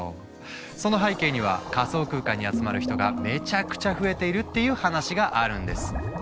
その背景には仮想空間に集まる人がめちゃくちゃ増えているっていう話があるんです。